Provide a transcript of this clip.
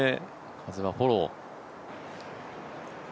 風はフォロー。